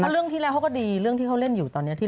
เรื่องที่แรกเขาก็ดีเรื่องที่เขาเล่นอยู่ตอนนี้